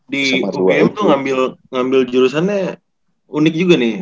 di ukm tuh ngambil jurusannya unik juga nih